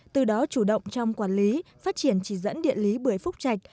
từ đó chủ động trong quản lý phát triển chỉ dẫn địa lý bưởi phúc trạch